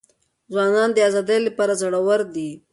ځوانان د آزادۍ لپاره زړه ور دي.